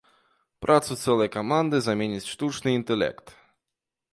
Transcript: Працу цэлай каманды заменіць штучны інтэлект.